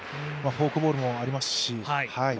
フォークボールもありますし。